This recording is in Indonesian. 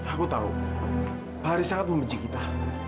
aku tahu pak haris sangat membenci kita